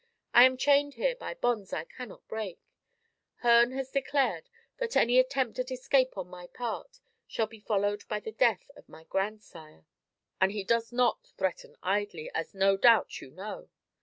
"I am chained here by bonds I cannot break. Herne has declared that any attempt at escape on my part shall be followed by the death of my grandsire. And he does not threaten idly, as no doubt you know.